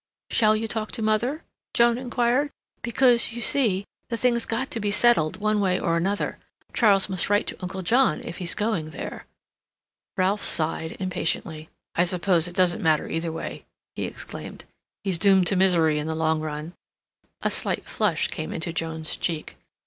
"Shall you talk to mother?" Joan inquired. "Because, you see, the thing's got to be settled, one way or another. Charles must write to Uncle John if he's going there." Ralph sighed impatiently. "I suppose it doesn't much matter either way," he exclaimed. "He's doomed to misery in the long run." A slight flush came into Joan's cheek.